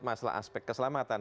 masalah aspek keselamatan